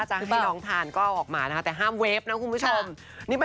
ถ้าจะให้น้องทานก็เอาออกมานะคะแต่ห้ามเวฟนะคุณผู้ชม